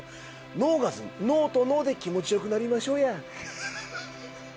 脳ガズム脳と脳で気持ち良くなりましょうや。ハハハ。